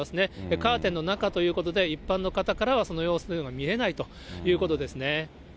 カーテンの中ということで、一般の方からはその様子というのが見えないということですね。